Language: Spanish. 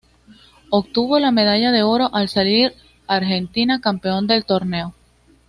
Obtuvo la medalla de oro al salir Argentina campeón del torneo.